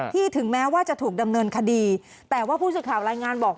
ถึงแม้ว่าจะถูกดำเนินคดีแต่ว่าผู้สื่อข่าวรายงานบอก